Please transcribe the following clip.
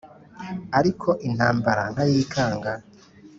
ariko intambara nkayikanga